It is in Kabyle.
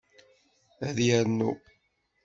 Ad yernu?